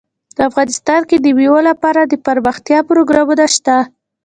افغانستان کې د مېوې لپاره دپرمختیا پروګرامونه شته.